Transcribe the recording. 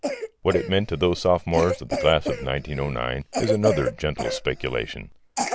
What it meant to those sophomores of the class of 1909 is another gentle speculation.